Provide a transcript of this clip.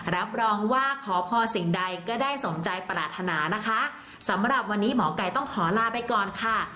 รับรองว่าขอพรสิ่งใดก็ได้สมใจปรารถนานะคะสำหรับวันนี้หมอไก่ต้องขอลาไปก่อนค่ะ